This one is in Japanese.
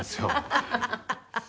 ハハハハ！